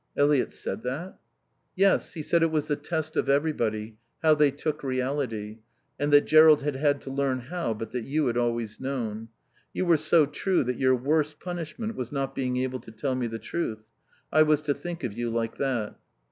"Eliot said that?" "Yes. He said it was the test of everybody, how they took reality, and that Jerrold had had to learn how, but that you had always known. You were so true that your worst punishment was not being able to tell me the truth. I was to think of you like that."